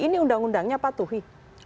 ini undang undangnya patuhi